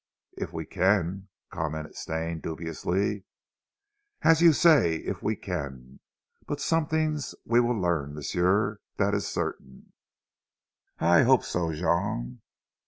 "If we can!" commented Stane dubiously. "As you say, eef we can. But somethings we shall learn, m'sieu, dat ees certain." "I hope so, Jean."